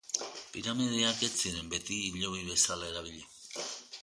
Piramideak ez ziren beti hilobi bezala erabili.